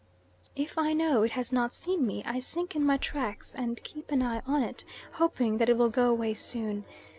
If I know it has not seen me I sink in my tracks and keep an eye on it, hoping that it will go away soon.